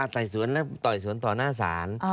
ไต่สวนแล้วต่อไอ้สวนต่อหน้าสาร